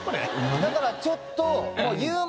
だからちょっと。